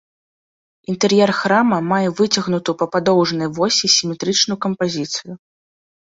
Інтэр'ер храма мае выцягнутую па падоўжнай восі сіметрычную кампазіцыю.